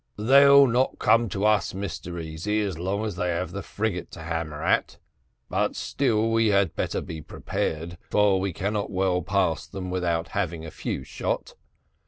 "They'll not come to us, Mr Easy, as long as they have the frigate to hammer at; but still we had better be prepared, for we cannot well pass them without having a few shot.